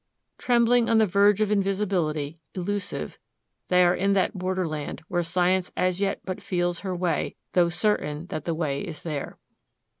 Trembling on the verge of invisibility, elusive, they are in that borderland where science as yet but feels her way, though certain that the way is there.